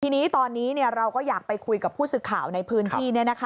ทีนี้ตอนนี้เราก็อยากไปคุยกับผู้สื่อข่าวในพื้นที่